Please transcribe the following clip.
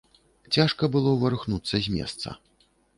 Цяжка было варухнуцца з месца.